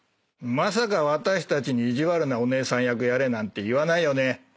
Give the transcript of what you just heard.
まさか私たちに意地悪なお姉さん役やれなんて言わないよね？